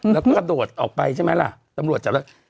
แล้วก็กระโดดออกไปใช่ไหมล่ะตำรวจจับแล้ว